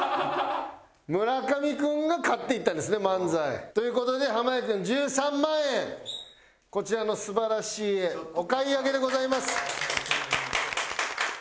村上君が買っていったんですね「ＭＡＮＺＡＩ」。という事で濱家さん１３万円こちらの素晴らしい絵お買い上げでございます。